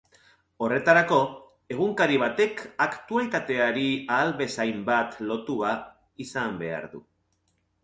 Horretarako, egunkari batek aktualitateari ahal bezainbat lotua izan behar du.